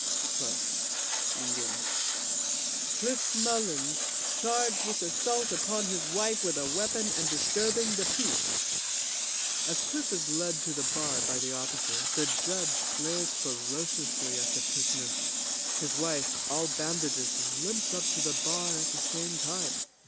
CLERK (Reading) Cliff Mullins, charged with assault upon his wife with a weapon and disturbing the peace. (As CLIFF is led to the bar by the officer, the JUDGE glares ferociously at the prisoner. His wife, all bandages, limps up to the bar at the same time.)